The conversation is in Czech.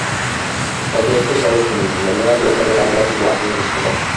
Od roku založení neměla diecéze žádného titulárního biskupa.